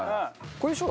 これでしょ？